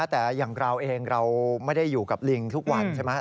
แต่อย่างเราเองเราไม่ได้อยู่กับลิงทุกวันใช่ไหม